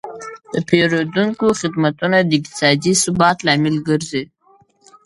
د پیرودونکو خدمتونه د اقتصادي ثبات لامل ګرځي.